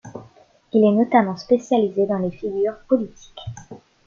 Il est notamment spécialisé dans les figures politiques.